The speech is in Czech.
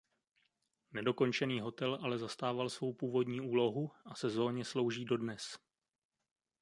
Nedokončený hotel ale zastával svou původní úlohu a sezónně slouží dodnes.